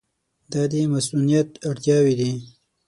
دا د مصونیت اړتیاوې دي.